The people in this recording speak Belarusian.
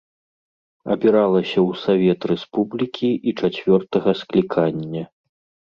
Абіралася ў савет рэспублікі і чацвёртага склікання.